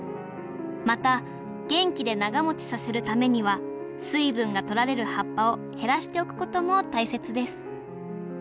また元気で長もちさせるためには水分が取られる葉っぱを減らしておくことも大切です